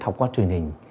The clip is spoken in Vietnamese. học qua truyền hình